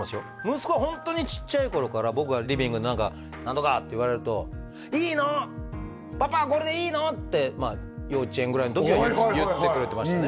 息子はホントにちっちゃい頃から僕がリビングで何とかって言われるとって幼稚園ぐらいの時は言ってくれてましたね